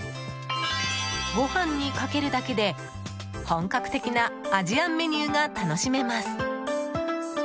ご飯にかけるだけで本格的なアジアンメニューが楽しめます。